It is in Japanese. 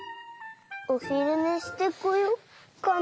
おひるねしてこようかな。